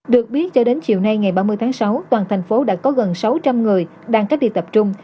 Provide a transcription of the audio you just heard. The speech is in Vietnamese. được biết cho đến chiều nay ngày ba mươi tháng sáu toàn thành phố đã có gần sáu trăm linh người đang cách ly tập trung